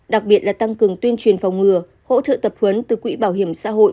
đặc biệt là tăng cường tuyên truyền phòng ngừa hỗ trợ tập huấn từ quỹ bảo hiểm xã hội